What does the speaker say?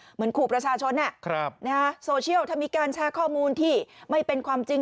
เหมือนขู่ประชาชนโซเชียลถ้ามีการแชร์ข้อมูลที่ไม่เป็นความจริง